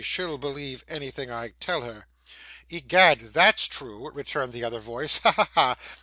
She'll believe anything I tell her.' 'Egad that's true,' returned the other voice. 'Ha, ha, ha!